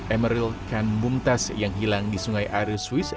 emeril kahn bumtas yang hilang di sungai aries swiss